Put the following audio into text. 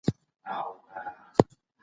کورنۍ له اوږدې مودې راهیسې هڅه کوي.